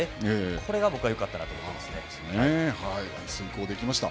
これが僕はよかったなと思いました。